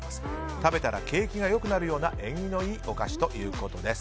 食べたら景気が良くなるような縁起のいいお菓子ということです。